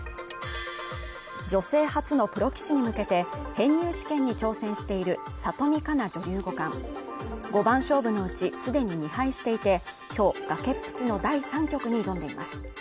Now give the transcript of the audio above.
女性初のプロ棋士に向けて編入試験に挑戦している里見香奈女流五冠５番勝負のうちすでに２敗していてきょう崖っぷちの第３局に挑んでいます